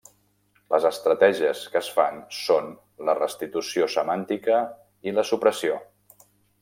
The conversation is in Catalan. Les estratègies que es fan són: la restitució semàntica i la supressió.